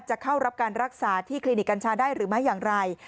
จะเข้ารับการรักษาที่คลินิกกัญชาได้หรือไม่อย่างไร